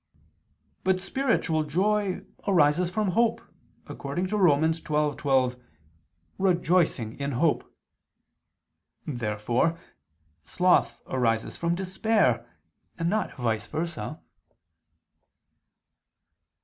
But spiritual joy arises from hope, according to Rom. 12:12, "rejoicing in hope." Therefore sloth arises from despair, and not vice versa.